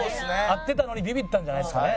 合ってたのにビビったんじゃないですかね。